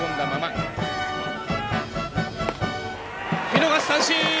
見逃しの三振！